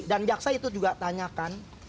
dan jaksa itu juga tanyakan